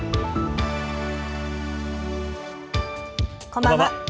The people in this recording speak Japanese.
こんばんは。